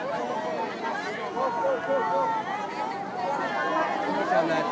และที่อยู่ด้านหลังคุณยิ่งรักนะคะก็คือนางสาวคัตยาสวัสดีผลนะคะ